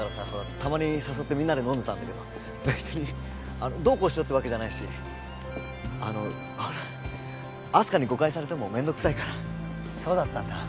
たまに誘ってみんなで飲んでたんだけど別にどうこうしようってわけじゃないしあのほら明日香に誤解されても面倒くさいからそうだったんだ